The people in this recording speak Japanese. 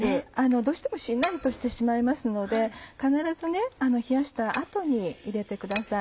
どうしてもしんなりとしてしまいますので必ず冷やした後に入れてください